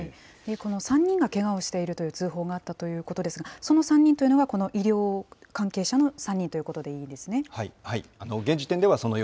この３人がけがをしているという通報があったということですが、その３人というのがこの医療関係者の３人ということでいいではい。